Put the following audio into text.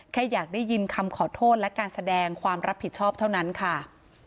แค่อยากได้ยินคำขอโทษและการแสดงความรับผิดชอบเท่านั้นค่ะ